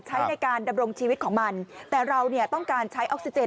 ใช้ในการดำรงชีวิตของมันแต่เราเนี่ยต้องการใช้ออกซิเจน